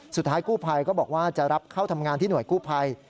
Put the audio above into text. สุดท้ายกู้ภัยก็บอกว่าจะรับเข้าทำงานที่หน่วยกู้ภัย